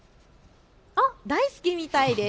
大好きみたいです。